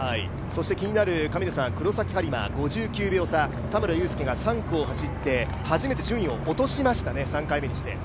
気になる黒崎播磨、５９秒差、田村友佑が３区を走って初めて順位を落としましたね、３回目にして。